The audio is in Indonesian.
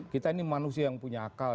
kita ini manusia yang punya akal